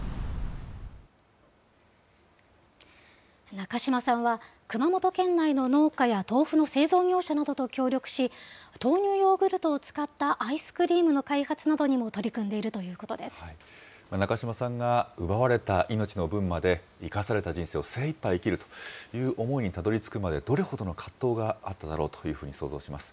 中島さんは、熊本県内の農家や豆腐の製造業者の方と協力し、豆乳ヨーグルトを使ったアイスクリームの開発などにも取り組んで中島さんが奪われた命の分まで、生かされた人生を精いっぱい生きるという思いにたどりつくまでどれほどの葛藤があっただろうというふうに想像します。